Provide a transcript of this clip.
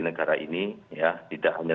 negara ini ya tidak hanya